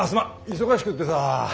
忙しくってさ。